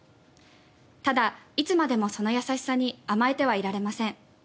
ただいつまでもその優しさに甘えてはいられません。